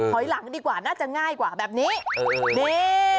ถอยหลังดีกว่าน่าจะง่ายกว่าแบบนี้นี่